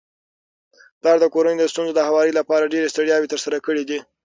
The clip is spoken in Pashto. پلار د کورنيو د ستونزو د هواري لپاره ډيري ستړياوي تر سره کړي دي